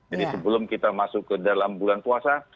jadi sebelum kita masuk ke dalam bulan puasa